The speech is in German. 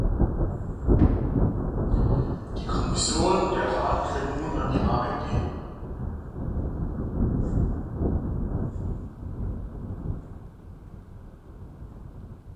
Die Kommission und der Rat können nun an die Arbeit gehen.